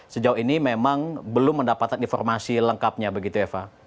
sejauh ini memang belum mendapatkan informasi lengkapnya begitu eva